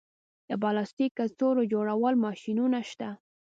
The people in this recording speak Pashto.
د پلاستیک کڅوړو جوړولو ماشینونه شته